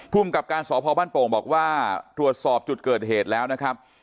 กับการสพบ้านโป่งบอกว่าตรวจสอบจุดเกิดเหตุแล้วนะครับ